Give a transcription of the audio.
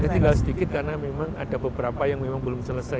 tinggal sedikit karena memang ada beberapa yang memang belum selesai